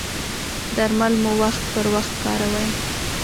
درمل مو وخت پر وخت کاروئ؟